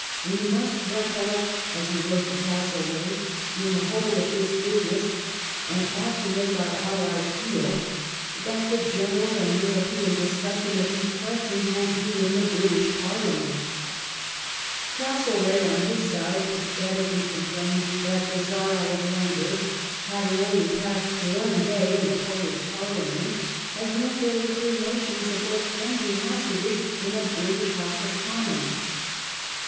" We must recollect," as he wrote to Castle reagh, " in the whole of this business, and ought to make our allies feel that the general and European discussion of these questions will be in the British Parliament." Castlereagh on his side pathe tically complained that the Czar Alexander " having only passed one day in a Polish Parliament has no very clear notions of what can be hazarded in a British House of Commons ".